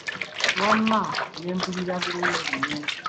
Wamma ne mpulira bulungi nnyo.